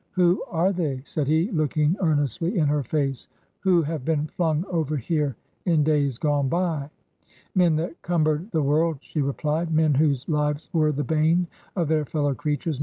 'Who are they/ said he, looking earnestly in her face, 'who have been flung over here in days gone by?' 'Men that cumbered the world,' she replied. 'Men whose lives were the bane of their fellow creatures.